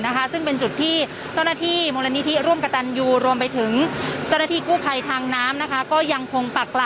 คือระดับน้ำนะคะ